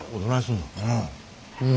うん。